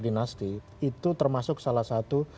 dinasti itu termasuk salah satu